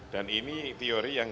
dan ini teori yang